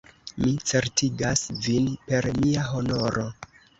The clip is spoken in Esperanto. Mi certigas vin per mia honoro!